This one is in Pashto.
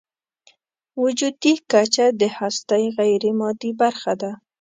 وجودي کچه د هستۍ غیرمادي برخه ده.